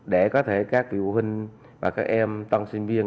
để có thể các phụ huynh và các em tân sinh viên